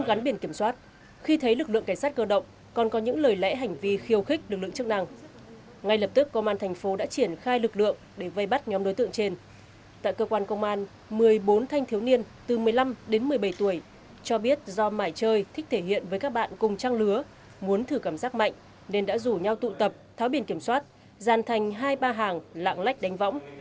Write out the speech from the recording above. tại cơ quan công an một mươi bốn thanh thiếu niên từ một mươi năm đến một mươi bảy tuổi cho biết do mải chơi thích thể hiện với các bạn cùng trang lứa muốn thử cảm giác mạnh nên đã rủ nhau tụ tập tháo biển kiểm soát gian thành hai ba hàng lạng lách đánh võng